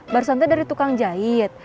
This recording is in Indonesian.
baru santai dari tukang jahit